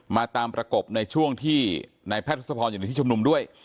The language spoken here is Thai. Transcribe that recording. มาตามประกบในช่วงที่นายแพทย์ทศพรอยู่ในที่ชุมนุมด้วย